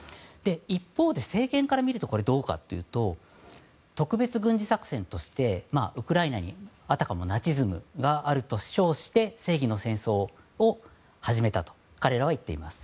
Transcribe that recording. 一方で政権から見るとこれどうかというと特別軍事作戦としてウクライナにあたかもナチズムがあると称して正義の戦争を始めたと彼らは言っています。